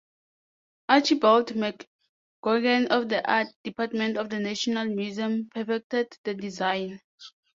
Archibald McGoogan of the Art Department of the National Museum perfected the design.